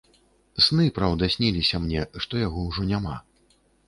Сны, праўда, сніліся мне, што яго ўжо няма.